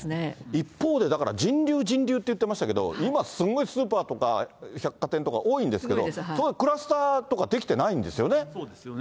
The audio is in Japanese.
一方で、だから人流人流って言ってましたけど、今、すごいスーパーとか、百貨店とか多いんですけど、そこでクラスターとか出来てないんでそうですよね。